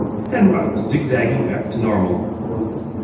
Penrod was zigzagging back to normal.